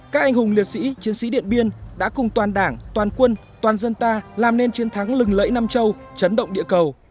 các anh hùng liệt sĩ chiến sĩ điện biên đã cùng toàn đảng toàn quân toàn dân ta làm nên chiến thắng lừng lẫy nam châu chấn động địa cầu